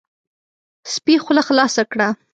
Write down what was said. سپي خوله خلاصه کړه،